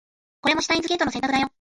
これもシュタインズゲートの選択だよ